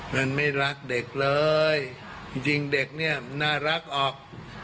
มันไม่รักเด็กเลยจริงเด็กเนี่ยน่ารักออก